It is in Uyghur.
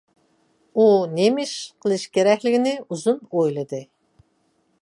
ئۇ نېمە قىلىش كېرەكلىكىنى ئۇزۇن ئويلىدى.